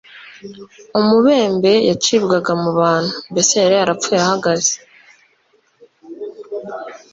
Umubembe yacibwaga mu bantu, mbese yari yarapfuye ahagaze.